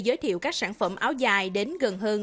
giới thiệu các sản phẩm áo dài đến gần hơn